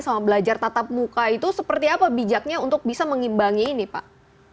sama belajar tatap muka itu seperti apa bijaknya untuk bisa mengimbangi ini pak